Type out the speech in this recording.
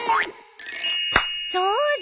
そうだ！